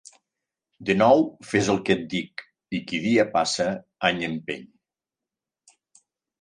De nou fes el que et dic i qui dia passa any empeny.